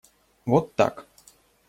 Вот так.